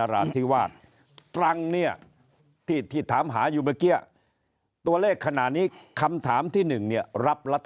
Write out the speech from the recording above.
และไปมาที่สองแต่เลยครับ